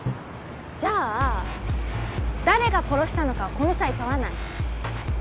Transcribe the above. じゃあ誰が殺したのかはこの際問わない。